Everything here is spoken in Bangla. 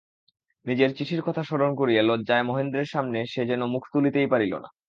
নিজের চিঠির কথা স্মরণ করিয়া লজ্জায় মহেন্দ্রের সামনে সে যেন মুখ তুলিতেই পারিল না।